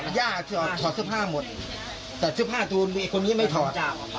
หญ้าที่ออกถอดเสื้อผ้าหมดแต่เสื้อผ้าตัวนี้ไม่ถอด